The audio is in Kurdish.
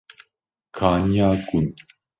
Kaniya Gund